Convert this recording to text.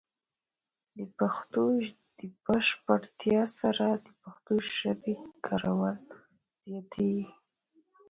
د پښتو ژبې د بشپړتیا سره، د پښتو ژبې کارول زیاتېږي.